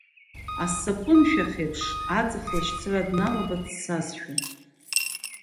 Асапын шәах еиԥш, аҵх лашьцара дналаба дцазшәа…